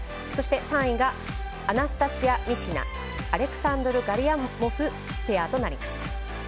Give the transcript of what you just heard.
そして、３位がアナスタシヤ・ミシナアレクサンドル・ガリアモフペアとなりました。